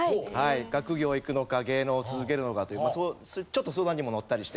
学業行くのか芸能を続けるのかというちょっと相談にも乗ったりして。